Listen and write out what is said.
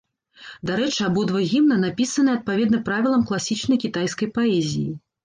Дарэчы, абодва гімна напісаныя адпаведна правілам класічнай кітайскай паэзіі.